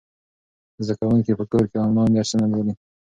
زده کوونکي په کور کې آنلاین درسونه لولي.